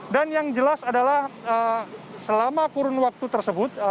yang jelas adalah selama kurun waktu tersebut